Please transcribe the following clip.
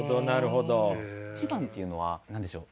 一番っていうのは何でしょう